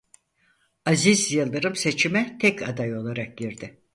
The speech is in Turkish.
Aziz Yıldırım seçime tek aday olarak girdi.